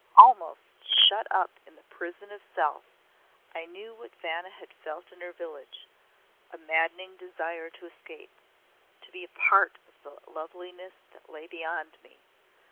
Almost, shut up in the prison of self, I knew what Vanna had felt in her village a maddening desire to escape, to be a part of the loveliness that lay beyond me.